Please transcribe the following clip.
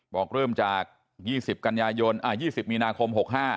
บอกเริ่มจาก๒๐กันยายน๒๐มีนาคม๖๕